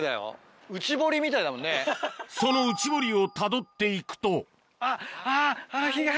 その内堀をたどっていくとあっあっあの。